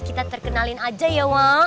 kita terkenalin aja ya wow